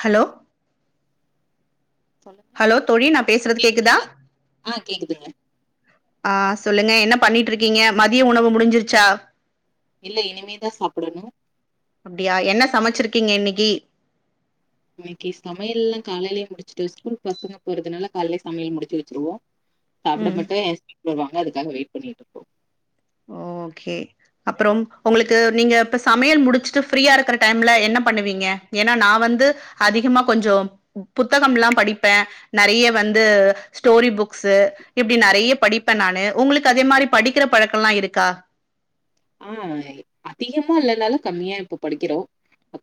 Hello சொல்லுங்க hello தோழி நா பேசுறது கேக்குதா ஆஹ் கேக்குதுங்க ஆஹ் சொல்லுங்க என்ன பண்ணிட்டுருக்கீங்க மதிய உணவு முடிஞ்சிருச்சா இல்ல இனிமேதா சாப்டணு அப்டியா என்ன சமைச்சிருக்கீங்க இன்னக்கி இன்னைக்கி சமையல்லா காலைலயே முடிச்சுட்டு ஸ்கூல் பசங்க போறதுனால காலைலயே சமையல் முடிச்சு வச்சருவோ சாப்ட ம் மட்டு வருவாங்க அதுக்காக வெயிட் பண்ணிட்டுருக்கோ ஓகே அப்புறம் உங்களுக்கு நீங்க இப்ப சமையல் முடிச்சுட்டு ஃப்ரீயா இருக்கிற டைம்ல என்ன பண்ணுவீங்க ஏன்னா நா வந்து அதிகமா கொஞ்சோ புத்தகம்லா படிப்பே நெறைய வந்து ஸ்டோரி புக்ஸு இப்டி நெறைய படிப்பே நானு உங்களுக்கு அதே மாரி படிக்கிற பழக் கல்லா இருக்கா ஆஹ் அதிகமா இல்லனாலு கம்மியா இப்ப படிக்கிறோ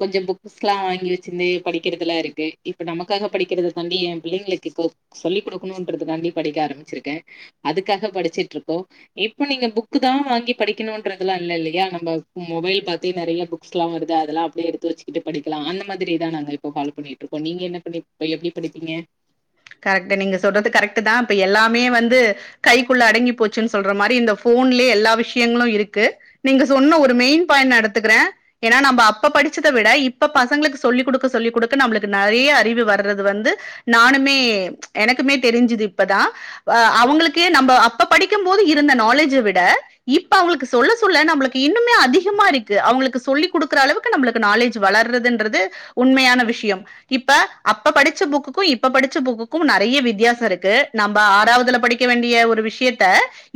கொஞ்ச புக்ஸ் எல்லா வாங்கி வச்சிருந்து படிக்கிறதுலா இருக்கு இப்ப நமக்காக படிக்கறத தாண்டி என் பிள்ளைங்களுக்கு இப்ப சொல்லிக் குடுக்கணுன்றதுக்காண்டி படிக்க ஆரம்பிச்சிருக்கே அதுக்காக படிச்சுட்ருக்கோ இப்ப நீங்க புக்குதா வாங்கி படிக்கணு ன்றதல்லா இல்லையா நம்ம மொபைல் பாத்தே நெறைய புக்ஸ்லா வருது அதெல்லா அப்டியே எடுத்து வச்சக்கிட்டு படிக்கலா அந்த மாதிரிதா நாங்க இப்போ ஃபாலோ பண்ணிட்ருக்கோ நீங்க என்ன பண்ணி எப்டி படிப்பீங்க கரெக்ட்டு நீங்க சொல்றது கரெக்ட்டுதா இப்ப எல்லாமே வந்து கைக்குள்ள அடங்கி போச்சுன்னு சொல்ற மாரி இந்த ஃபோன்லயே எல்லா விஷயங்களு இருக்கு நீங்க சொன்ன ஒரு மெயின் பாயிண்ட் நா எடுத்துக்கிறேன் ஏன்னா நம்ப அப்ப படிச்சத விட இப்ப பசங்களுக்கு சொல்லிக் குடுக்க சொல்லிக் குடுக்க நம்மளுக்கு நெறைய அறிவு வர்றது வந்து நானுமே எனக்குமே தெரிஞ்சது இப்பதா ஆ அவங்களுக்கு நம்ப அப்ப படிக்கும் போது இருந்த நாலேஜ விட இப்ப அவங்களுக்கு சொல்ல சொல்ல நம்மளுக்கு இன்னுமே அதிகமா இருக்கு அவங்களுக்கு சொல்லிக் குடுக்கற அளவுக்கு நம்மளுக்கு நாலேஜ் வளர்றதுன்றது உண்மையான விஷயம் இப்ப அப்ப படிச்ச புக்குக்கு இப்ப படிச்ச புக்குக் க்கும் நெறைய வித்தியாச இருக்கு நம்ப ஆறாவதுல படிக்க வேண்டிய ஒரு விஷயத்த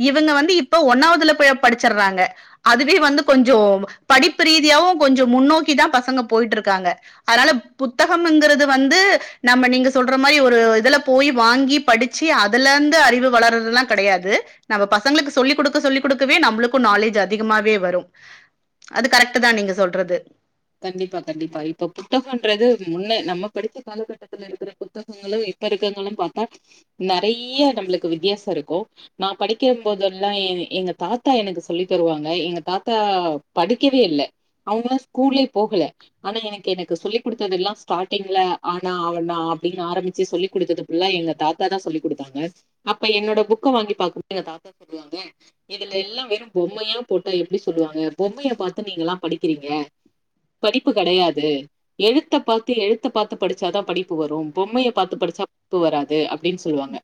இவங்க வந்து இப்ப ஒன்னாவதுல இப்ப படிச்சர்றாங்க அதுவே வந்து கொஞ்சோ படிப்பு ரீதியாவு கொஞ்ச முன்னோக்கிதா பசங்க போயிட்ருக்காங்க அதனால புத்தகம்ங்கிறது வந்து நம்ம நீங்க சொல்ற மாரி ஒரு அதுல போய் வாங்கி படிச்சு அதுல இருந்து அறிவு வளர்றதுல்லா கெடையாது நம்ம பசங்களுக்கு சொல்லிக் குடுக்க சொல்லிக் குடுக்கவே நம்மளுக்கும் நாலேஜ் அதிகமாவே வரும் அது கரெக்ட்தா நீங்க சொல்றது கண்டிப்பா கண்டிப்பா இப்ப புத்தகம்ன்றது முன்ன நம்ம படிச்ச காலகட்டத்துல இருக்கிற புத்தகங்களு இப்ப இருக்கங்களும்னு பாத்தா நெறைய நம்மளுக்கு வித்தியாசோ இருக்கு நா படிக்கும் போதெல்லா எ எங்க தாத்தா எனக்கு சொல்லித் தருவாங்க எங்க தாத்தா படிக்கவே இல்ல அவங்கல்லா ஸ்கூலே போகல ஆனா எனக்கு எனக்கு சொல்லிக் குடுத்தது எல்லா ஸ்டார்டிங்ல ஆணா ஆவண்ணா அப்டின்னு ஆரம்பிச்சு சொல்லி் குடுத்தது ஃபுல்லா எங்க தாத்தாதா சொல்லி் குடுத்தாங்க அப்ப என்னோட புக்க வாங்கி பாக்கும்போது எங்க தாத்தா சொல்லுவாங்க இதுல எல்லா வெறும் பொம்மையா போட்டா எப்டி சொல்லுவாங்க பொம்மய பாத்து நீங்க எல்லா படிக்கிறீங்க படிப்பு கெடையாது எழுத்த பாத்து எழுத்த பாத்து படிச்சாதா படிப்பு வரு பொம்மைய பாத்து படிச்சா படிப்பு வராது அப்டின்னு சொல்லுவாங்க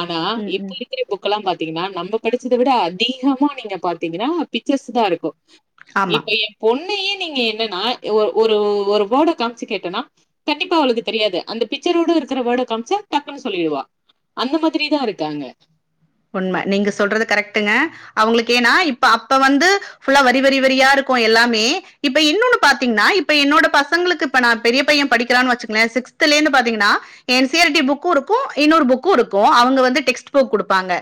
ஆனா ம், இப்ப ம். இருக்குற புக்க எல்லாம் பாத் தீங்கன்னா நம்ம படிச்சத விட அதிகமா நீங்க பாத்தீங்கன்னா பிச்சர்ஸ்தா இருக்கும் ஆமா. இப்ப என் பொண்ணயே நீங்க என்னன்னா ஒரு ஒரு ஒரு வேர்ட காமிச்சு கேட்டனா கண்டிப்பா அவளுக்கு தெரியாது அந்த பிக்சரோட இருக்கிற வேர்ட காமிச்சா டக்குன்னு சொல்லிடுவா அந்த மாதிரிதா இருக்காங்க உண்மை நீங்க சொல்றது கரெக்ட்டுங்க அவங்களுக்கு ஏன்னா இப்ப அப்ப வந்து ஃபுல்லா வரி வரி வரியா இருக்கு எல்லாமே இப்ப இன்னொன்னு பாத்தீங்கன்னா இப்ப என்னோட பசங்களுக்கு இப்ப நா பெரிய பைய படிக்கறான்னு வச்சுக்கங்களே சிக்ஸ்த்துலேர்ந்து பாத்தீங்கன்னா என் சிஆர் டி புக்கும் இருக்கும் இன்னொரு புக்கும் இருக்கும் அவங்க வந்து டெஹ்ஸ்ட் புக் குடுப் பாங்க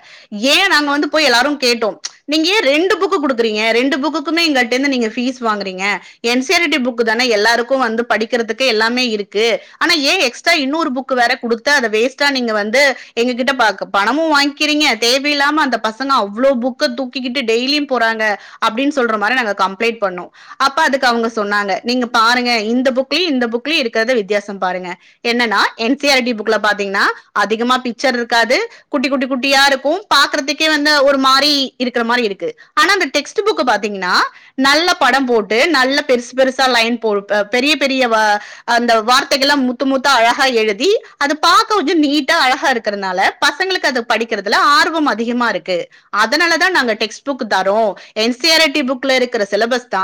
ஏன் நாங்க வந்து எல்லாரு போய் கேட்டோ நீங்க ஏன் ரெண்டு புக்கு குடுக்குறீங்க ரெண்டு புக்குக்குமே எங்கள்ட்ட இருந்து நீங்க ஃபீஸ் வாங்குறீங்க என் சி ஆர் டி புக்குதான எல்லாருக்கு வந்து படிக்கிறதுக்கு எல்லாமே இருக்கு ஆனா ஏன் எக்ஸ்ட்ரா இன்னொரு புக்கு வேற குடுத்து அத வேஸ்டா நீங்க வந்து எங்ககிட்ட ப பணமு வாங் கிக்றீங்க தேவை இல்லாம அந்த பசங்க அவ்ளோ புக்க தூக்கிக்கிட்டு் டெய்லி போறாங்க அப்டினு சொல்ற மாரி நாங்க கம்ப்ளைன்ட் பண்ணோ அப்ப அதுக்கு அவுங்க சொன்னாங்க நீங்க பாருங்க இந்த புக்ளையு இந்த புக்ளையு இருக்குறத வித்தியாசம் பாருங்க என்னென்னா என் சி ஆர் டி புக்ல பாத்தீங்கனா அதிகமா பிக்ச்சர் இருக்காது குட்டி குட்டி குட்டியா இருக்கும் பாக்கறதுக்கே வந்து ஒரு மாரி இருக்கற மாரி இருக்கு ஆனா இந்த டெக்ஸ்ட் புக்க பாத்தீங்கனா நல்ல படம் போட்டு நல்ல பெருசு பெருசா லையன் போட் ஆ பெரிய பெரிய அந்த வார்த்தைகள் எல்லாம் முத்து முத்தா அழகா எழுதி அது பாக்க கொஞ்ச நீட்டா அழகா இருக்குறனால பசங்களுக்கு அது படிக்கிறதுல ஆர்வம் அதிகமா இருக்கு அதனாலதா நாங்க டெக்ஸ்ட் புக் தரோ என் சி ஆர் டி புக்குல இருக்க சிலபஸ்தா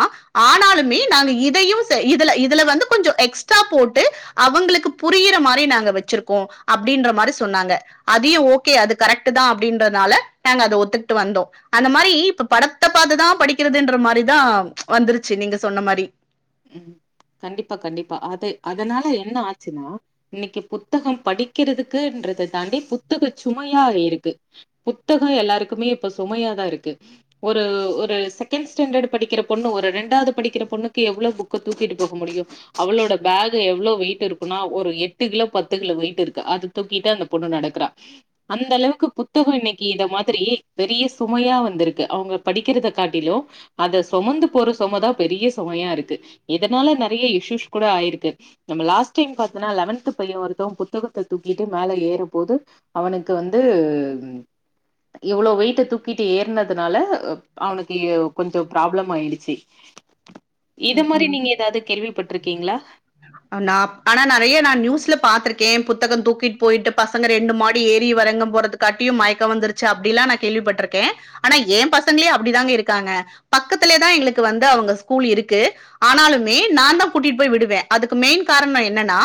ஆனாலுமே நாங்க இதையு ச இதுல இதுல வந்து கொஞ்ச எக்ஸ்ட்ரா போட்டு அவுங்களுக்கு புரியற மாரி நாங்க வச்சுருக்கோ அப்டின்ற மாரி சொன்னாங்க அதையு ஓ கே அது கரெக்ட்டுதா அப்டின்றனால நாங்க அத ஒத்துக்ட்டு வந்தோ அந்த மாரி இப்ப படத்த பாத்துதா படிக்கிறதுன்ற மாரிதா வந்துருச்சு நீங்க சொன்ன மாரி ம். கண்டிப்பா, கண்டிப்பா. அது அதனால என்ன ஆச்சுன்னா இன்னைக்கி புத்தகம் படிக்கிறதுக்குன்றத தாண்டி புத்தகச் சுமையா இருக்கு புத்தகோ எல்லாருக்குமே இப்ப சுமையாதா இருக்கு ஒரு ஒரு செகண்ட் ஸ்டாண்டர்ட் படிக்கிற பொண்ணு ஒரு ரெண்டாவது படிக்கிற பொண்ணு எவ்ளோ புக்க தூக்கிட்டு போக முடியு அவளோட பேக் எவ்ளவு வெயிட் இருக்குனா ஒரு எட்டு கிலோ பத்து கிலோ வெயிட் இருக்கு அத தூக்கிட்டு அந்த பொண்ணு நடக்கறா அந்த அளவுக்கு புத்தகோ இன்னைக்கி இத மாதிரி பெரிய சுமையா வந்திருக்கு அவங்க படிக்கறத காட்டிலு அத சொமந்து போற சொமதா பெரிய சுமையா இருக்கு இதனால நெறைய இஷயூஸ் கூட ஆயிருக்கு நம்ம லாஸ்ட் டைம் பாத்தனா லெவன்த் பைய ஒருத்த புத்தகத்த தூக்கிட்டு மேல ஏறும்போது அவனுக்கு வந்து இவ்ளோ வெயிட்ட தூக்கிட்டு ஏறுனதுனால அவனுக்கு கொஞ்ச ப்ராப்ளம் ஆயிடுச்சு இது ம் மாரி ம் நீங்க ஏதாவது கேள்வி பட்ருக்கீங்களா நா ஆனா நெறைய நா நியூஸ்ல பாத்திருக்கே புத்தகம் தூக்கிட் போயிட்டு பசங்க ரெண்டு மாடி ஏறி வரங்க போறதுக்காட்டியும் மயக்கம் வந்துருச்சு அப்டிலா நா கேள்விப்பட்ருக்கே ஆனா ஏ பசங்களே அப்டிதாங்க இருக்காங்க பக்கத்துலேயேதா எங்களுக்கு வந்து அவுங்க ஸ்கூல் இருக்கு ஆனாலுமே நான் தா கூட்டிட்டு போய் விடுவே அதுக்கு மெயின் காரணம் என்னனா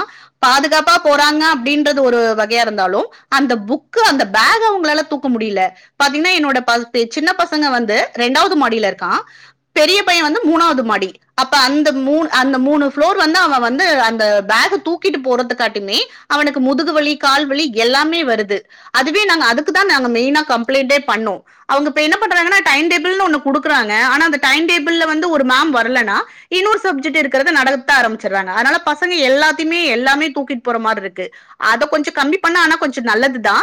பாதுகாப்பா போறாங்க அப்டின்றது ஒரு வகையா இருந்தாலு அந்த புக்கு அந்த பேக் அவுங்களால தூக்க முடில பாத்தீங்கனா என்னோட சின்ன பசங்க வந்து இரண்டாவது மாடில இருக்கா பெரிய பைய வந்து மூணாவ்து மாடி அப்ப அந்த மூ அந்த மூணு ப்ளோர் வந்து அவ வந்து அந்த பேக்க தூக்கிட்டு போறதுக்கு காட்டிம்மே அவனுக்கு முதுகு வலி கால் வலி எல்லாமே வருது அதுவே நாங்க அதுக்கு தா நாங்க மெயினா கம்ப்ளைண்டே பண்ணோ அவுங்க இப்ப என்ன பண்றாங்கனா டைம் டேபிள்னு ஒன்னு குடுக்குறாங்க டைம் டேபிள்ல வந்து ஒரு மேம் வர்லனா இன்னொரு சப்ஜெக்ட் இருக்குறது நடத்த ஆரம் ச்சுறாங்க அதனால பசங்க எல்லாத்துமே எல்லாமே தூக்கிட்டு போற மாரி இருக்கு அத கொஞ்ச கம்மி பண்ணா ஆனா கொஞ்ச நல்லதுதா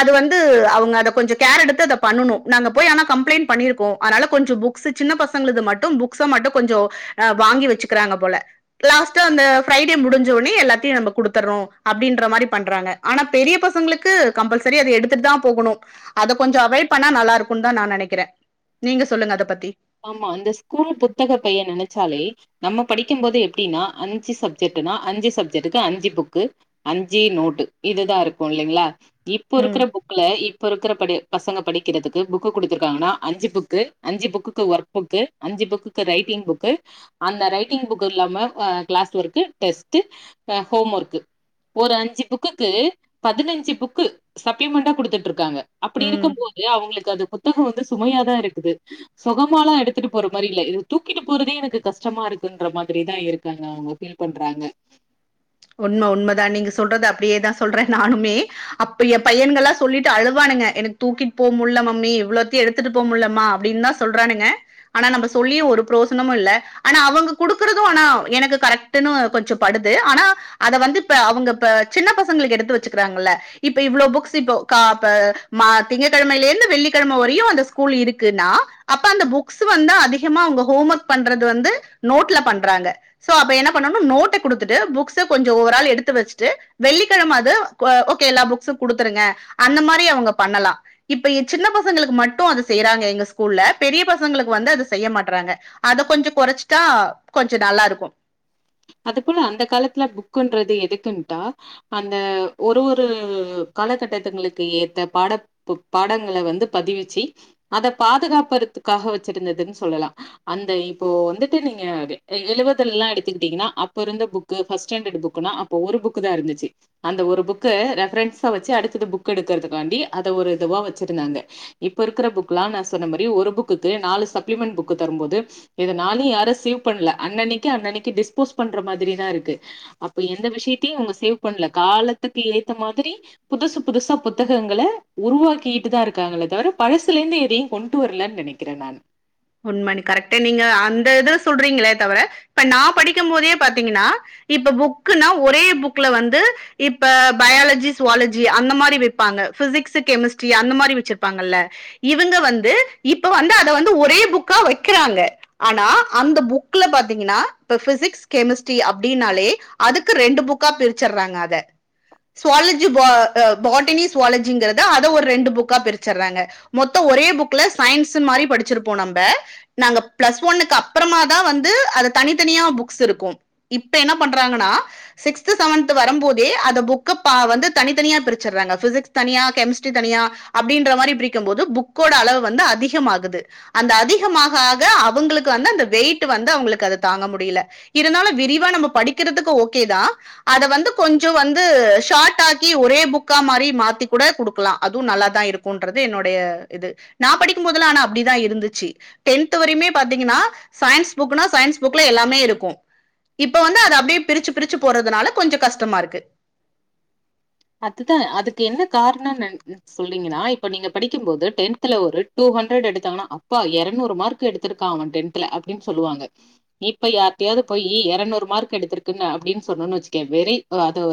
அது வந்து அவுங்க அத கொஞ்ச கேர் எடுத்து அத பண்ணணு நாங்க போய் ஆனா கம்ப்ளைண்ட் பண்ணிருக்கோ அனால கொஞ்சம் புக்ஸு சின்ன பசங்களது மட்டும் புக்ஸ மட்டும் கொஞ்சம் வாங்கி வச்சுக்கிறாங்க போல லாஸ்ட்டா அந்த ஃப்ரைடே முடிஞ்சோனே எல்லாத்தையு நம்ப குடுத்தறோ அப்டின்ற மாரி பண்றாங்க ஆனா பெரிய பசங்களுக்கு கம்பல்சரி அத எடுத்துட்டு தா போகணு அத கொஞ்சம் அவாய்ட் பண்ணா நல்லா இருக்குன்னு தா நா நெனைக்கிறே ஆமா அந்த ஸ்கூல் புத்தக பைய்ய நெனச்சாலே நம்ம படிக்கும் போது எப்டின்னா அஞ்சு சப்ஜெக்ட்னா அஞ்சு சப்ஜெக்டுக்கு அஞ்சு புக்கு அஞ்சு நோட்டு இதுதா இருக்கு இல்லைங்களா இப்ப ம். இருக்கிற புக்ல இப்ப இருக் குற பசங்க படிக்கிறதுக்கு புக்கு குடுத்துருக்காங்கனா அஞ்சு புக் கு அஞ்சு புக்குக்கு ஒர்க் புக்கு அஞ்சு புக்குக்கு ரைட்டிங் புக்கு அந்த ரைட்டிங் புக்கு இல்லாம class work test home work ஒரு அஞ்சு புக்குக்கு பதினஞ்சு புக்கு சப்ளிமெண்டா குடுத்துட்ருக்காங்க அப்பிடி ம். இருக்கும் போது அவுங்களுக்கு அது புத்தகம் வந்து சுமையா தா இருக் குது சொகமாலா எடுத்துட்டு போற மாரி இல்ல இது தூக்கிட்டு போறதே எனக்கு கஷ்டமா இருக்குன்ற மாதிரிதா இருக்காங்க அவுங்க ஃபீல் பண்றாங்க உண்ம உண்மதா நீங்க சொல்றது அப்பிடியே தா சொல்றே நானுமே அப்ப பையன்கல்லா சொல்லிட்டு அழுவானுங்க எனக்கு தூக்கிட்டு போ முல்ல மம்மி இவ்வளோத்தை எடுத்துட்டு போ முல்லம்மா அப்டின் தா சொல்றானுங்க ஆனா நம்ம சொல்லி ஒரு ப்ரோசனமு இல்ல ஆனா அவுங்க குடுக்குறது ஆனா எனக்கு கரெக்டுனு கொஞ்சம் படுது ஆனா அத வந்து இப்ப அவுங்க ப சின்ன பசங்களுக்கு எடுத்து வச்சுகிறாங்கல இப்ப இவ்ளோ புக்ஸ் இப்போ க ப மா திங்ககெழமைலேந்து வெள்ளிக்கெழம வரையு அந்த ஸ்கூல் இருக்குனா அப்ப அந்த புக்ஸ் வந்து அதிகமா அவுங்க ஹோம் ஒர்க் பண்றது வந்து நோட்ல பண்றாங்க சோ அப்ப என்ன பண்ணணு நோட்ட கொடுத்துட்டு புக்ஸ் து கொஞ்ச ஓர் ஆள் எடுத்து வச்சுட்டு வெள்ளிக்கெழம அது ஓகே எல்லா புக்ஸும் குடுத்துருங்க அந்த மாரி அவுங்க பண்ணலா இப்ப சின்ன பசங்களுக்கு மட்டு அத செய்யறாங்க எங்க ஸ்கூல்ல பெரிய பசங்களுக்கு வந்து அத செய்ய மாட்றாங்க அத கொஞ்ச‌ கொறச்சிட்டா கொஞ்ச நல்லா இருக்கும் அது போல அந்த காலத்துல புக்குன்றது எதுக்குன்ட்டா அந்த ஒரு ஒரு காலகட்டத்துங்களுக்கு ஏத்த பாட பாடங்கள வந்து பதிவிச்சு அத பாதுகாப்பறதுக்காக வச்சிருந்ததுன் சொல்லலா அந்த இப்போ வந்துட்டு நீங்க எழுவதல்லா எடுத்துக்கிட்டீங்னா அப்போ இருந்த புக்கு ஃபஸ்ட் ஸ்டாண்டர்ட் புக்குனா அப்ப ஒரு புக்கு தா இருந்துச்சு அந்த ஒரு புக்க ரெஃபரன்ஸா வச்சு அடுத்தது புக் எடுக்கிறதுக்காண்டி அத ஒரு இதுவா வச்சிருந்தாங்க இப்ப இருக்கிற புக்லா நா சொன்ன மாரி ஒரு புக்குக்கு நாலு சப்ளிமெண்ட் புக்கு தரும் போது இத நாலு யாரும் சேவ் பண்ல அன்னனைக்கிஅனனைக்கு டிஸ் போஸ் பண்ற மாதிரி தா இருக்கு அப்ப எந்த விஷ்யத்தையு அவுங்க சேவ் பண்ல காலத்துக்கு ஏத்த மாதிரி புதுசு புதுசா புத்தகங்கள உருவாக்கிட்டு தா இருக்காங்களே தவிர பழசுலேந்து எதையு கொண்டு வரலன் நெனைக்கிறே நான் உண்மை கரெக்ட்டு நீங்க அந்த இத சொல்றீங்களே தவிர இப்ப நா படிக்கும் போதே பாத்தீங்கன்னா இப்ப புக்குன்னா ஒரே புக்ல வந்து இப்ப பயாலஜி சுவாலஜி அந்த மாரி வைப்பாங்க பிசிக்ஸு கெமிஸ்ட்ரி அந்த மாரி வச்சிருப்பாங்கல்ல இவுங்க வந்து இப்ப வந்து அத வந்து ஒரே புக்கா வைக்கிறாங்க ஆனா அந்த புக்குல பாத்தீங்னா இப்ப பிசிக்ஸ் கெமிஸ்ட்ரி அப்டினாலே அதுக்கு ரெண்டு புக்கா பிரிச்சறாங்க அத ஜூவாலஜி பா பாட்டனி ஜூவாலஜிங்கிறத அத ஒரு ரெண்டு புக்கா பிரிச்சறாங்க மொத்தொ ஒரே புக்ல சயின்ஸ் மாரி படிச்சுருப்போ நம் ப நாங்க ப்ளஸ் ஒன்னுக்கு அப்புறமாதா வந்து அது தனித்தனியா புக்ஸ் இருக்கும் இப்ப என்ன பண்றாங்கனா சிக்ஸ்த் செவன்த் வரும் போதே அத புக்க பா வந்து தனி தனியா பிரிச்சுறாங்க பிசிக்ஸ் தனியா கெமிஸ்ட்ரி தனியா அப்டின்ற மாரி பிரிக்கும் போது புக்கோட அளவு வந்து அதிகமாகுது அந்த அதிகமாக ஆக அவுங்களுக்கு வந்து அந்த வெயிட் வந்து அவுங்களுக்கு அத தாங்க முடியல இருந்தாலு விரிவா நம்ம படிக்கிறதுக்கு ஓகே தா அத வந்து கொஞ்ச வந்து ஷார்ட் ஆக்கி ஒரே புக்கா மாரி மாத்தி கூட குடுக்கலா அதுவு நல்லா தா இருக்குன்றது என்னுடைய இது நா படிக்கும்போதல்லா ஆனா அப்டிதா இருந்துச் ச்சி டென்த் வரையுமே பாத்தீங்கனா சயின்ஸ் புக்னா சயின்ஸ் புக்ல எல்லாமே இருக்கும் இப்ப வந்து அத அப்டியே பிரிச்சு பிரிச்சு போறதுனால கொஞ்ச கஷ்டமா இருக்கு அதுதா அதுக்கு என்ன காரண நென் சொல்றீங்கனா இப்ப நீங்க படிக்கும் போது டென்த்ல ஒரு டூ ஹண்ட்ரட் எடுத்தாங்கனா அப்பா எறநூறு மார்க் எடுத்திருக்கா அவெ டென்தல அப்டின் சொல்லுவாங்க இப்ப யார்டையாவது போய் எறநூறு மார்க் எடுத்திருக்குங்க அப்டின் சொன்னோன் வச்சுக்க வெறி அத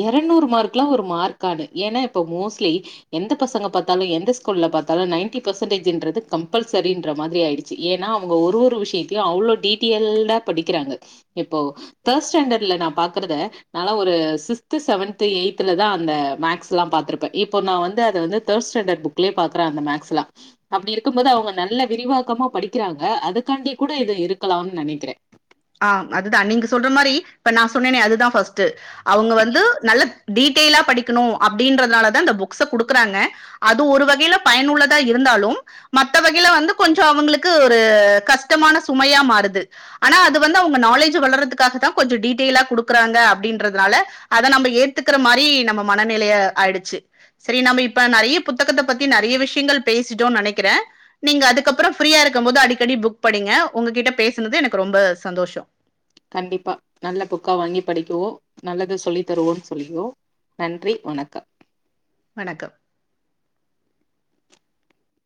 இருநூறு மார்க் லா ஒரு மார்க்கானு ஏனா இப்ப மோஸ்ட்லி எந்த பசங்க பாத்தாலு எந்த ஸ்கூல்ல பாத்தாலு நைன்டி பர்சென்டேஜுன்றது கம்பல்சரின்ற மாதிரி ஆயிடுச்சு ஏனா அவுங்க ஒரு ஒரு விஷயத்தையு அவ்ளோ டீட்டெய்ல்டா படிக்கிறாங்க இப்போ தேர்ட் ஸ்டாண்டர்ட்ல நா பாக்குறத நாலா ஒரு சிக்ஸ்த் செவன்த் எய்த் த்துல தா அந்த மேக்ஸ்லாம் பாத்திருப்பே இப்போ நா வந்து அத வந்து தேர்ட் ஸ்டாண்டர்ட் புக்லயே பாக்குறே அந்த மேக்ஸ்லா அப்டி இருக்கும்போது அவுங்க நல்ல விரிவாக்கமா படிக்கிறாங்க அதுக்காண்டி கூட இது இருக்கலான் நெனைக்கிறே ஆ அதுதா நீங்க சொல்ற மாரி இப்ப நா சொன்னேனே அதுதா ஃபர்ஸ்டு அவுங்க வந்து நல்ல டீட்டெய்லா படிக்கணு அப்படின்றனாலதா அந்த புக்ஸ குடுக்குறாங்க அது ஒரு வகைல பயனுள்ளதா இருந்தாலும் மத்த வகைல வந்து கொஞ்சொ அவுங்களுக்கு ஒரு கஷ்டமான சுமையா மாறுது ஆனா அது வந்து அவுங்க நாலேஜ வளர்ரதுக்காக தா கொஞ்ச டீட்டையிலா குடுக்கறாங்க அப்டின்றதுனால அத நம்ப ஏத்துக்கிற மாரி நம்ம மனநிலைய ஆயிடுச்சு சரி நம்ம இப்ப நெறைய புத்தகத்த பத்தி நெறைய விஷ்யங்கள் பேசிட்டோன் நெனைக்கிறே நீங்க அதுக்கப்புற ஃப்ரீயா இருக்கும் போது அடிக்கடி புக் படிங்க உங்ககிட்ட பேசுனது எனக்கு ரொம்ப சந்தோஷம் கண்டிப்பா நல்ல புக்கா வாங்கி படிக்குவோ நல்லது சொல்லி தருவோன் சொல்லியோ நன்றி வணக்கம் வணக்கம்